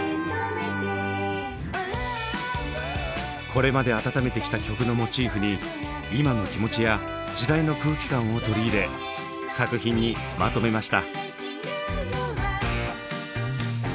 これまで温めてきた曲のモチーフに今の気持ちや時代の空気感を取り入れ作品にまとめました。